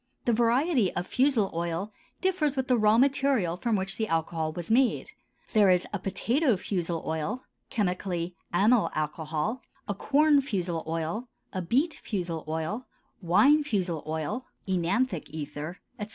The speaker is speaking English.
The variety of fusel oil differs with the raw material from which the alcohol was made; there is a potato fusel oil (chemically amyl alcohol), a corn fusel oil, a beet fusel oil, wine fusel oil (œnanthic ether), etc.